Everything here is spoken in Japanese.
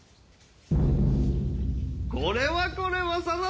これはこれは定信殿。